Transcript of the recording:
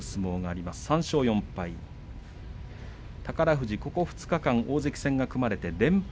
富士ここ２日間大関戦が組まれて連敗。